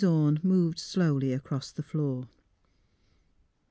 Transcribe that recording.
Orne moved slowly across the floor.